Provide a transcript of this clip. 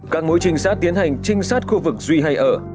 các mối trinh sát tiến hành trinh sát khu vực duy hay ở